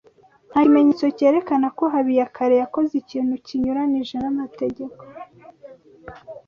Nta kimenyetso cyerekana ko Habiyakare yakoze ikintu kinyuranyije n'amategeko.